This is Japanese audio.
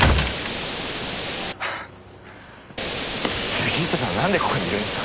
杉下さんなんでここにいるんですか？